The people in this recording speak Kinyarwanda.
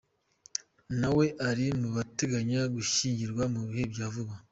Nawe ari mu bateganya gushyingirwa mu bihe bya vuba.